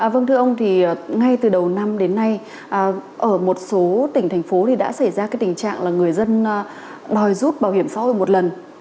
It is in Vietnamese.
vâng thưa ông ngay từ đầu năm đến nay ở một số tỉnh thành phố đã xảy ra tình trạng người dân đòi giúp bảo hiểm xã hội một lần